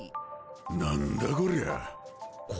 何だこりゃあ？